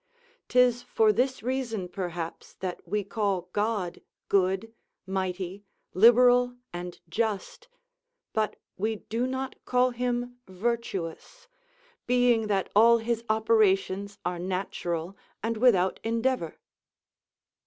'Tis for this reason, perhaps, that we call God good, mighty, liberal and just; but we do not call Him virtuous, being that all His operations are natural and without endeavour.